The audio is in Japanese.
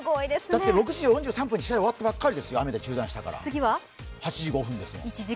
だって６時４３分に試合が終わったばかりですよ、雨で中断しましたから次は８時５分ですもん。